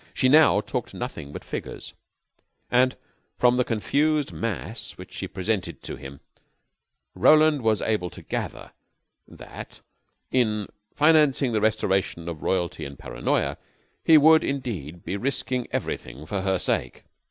She now talked nothing but figures, and from the confused mass which she presented to him Roland was able to gather that, in financing the restoration of royalty in Paranoya, he would indeed be risking everything for her sake.